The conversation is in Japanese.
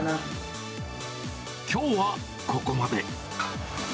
きょうはここまで。